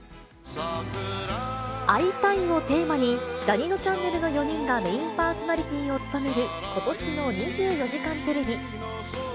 会いたい！をテーマに、ジャにのちゃんねるの４人がメインパーソナリティーを務めることしの２４時間テレビ。